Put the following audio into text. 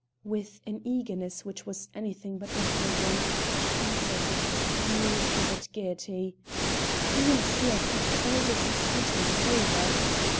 With an eagerness which was anything but encouraging, she answered with suddenly recovered gaiety: "Yes, yes, after all this excitement is over."